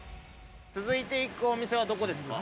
続いて行くお店はどこですか？